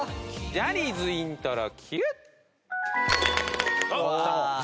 ジャニーズイントロＱ！